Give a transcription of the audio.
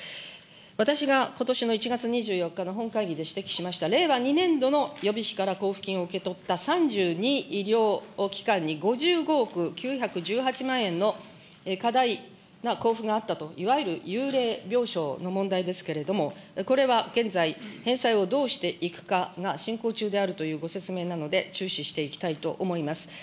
私がことしの１月２４日の本会議で指摘しました、令和２年度の予備費から交付金を受け取った３２医療機関に５５億９１８万円の過大な交付があったと、いわゆるゆうれい病床の問題ですけれども、これは現在、返済をどうしていくかが進行中であるというご説明なので、注視していきたいと思います。